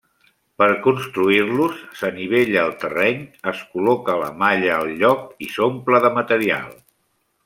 Per construir-los s'anivella el terreny, es col·loca la malla al lloc i s'omple de material.